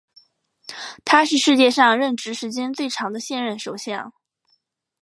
他是世界上任职时间最长的现任首相。